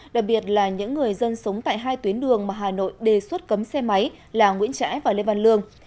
đặc biệt là những người dân sống tại hai tuyến đường mà hà nội đề xuất cấm xe máy là nguyễn trãi và lê văn lương